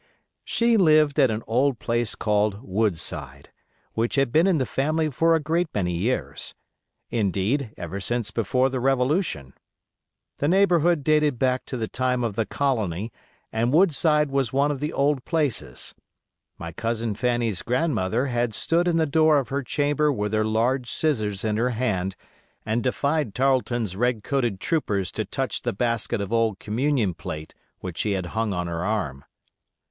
She lived at an old place called "Woodside", which had been in the family for a great many years; indeed, ever since before the Revolution. The neighborhood dated back to the time of the colony, and Woodside was one of the old places. My cousin Fanny's grandmother had stood in the door of her chamber with her large scissors in her hand, and defied Tarleton's red coated troopers to touch the basket of old communion plate which she had hung on her arm.